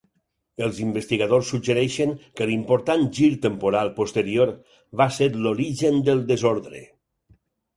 Els investigadors suggereixen que l'important gir temporal posterior va ser l'origen del desordre.